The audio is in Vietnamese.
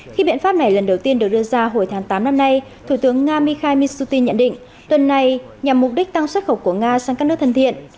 khi biện pháp này lần đầu tiên được đưa ra hồi tháng tám năm nay thủ tướng nga mikhail mishutin nhận định tuần này nhằm mục đích tăng xuất khẩu của nga sang các nước thần thiện